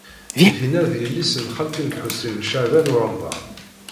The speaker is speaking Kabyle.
Tinna d yelli-s n xalti-s n Lḥusin n Caɛban u Ṛemḍan.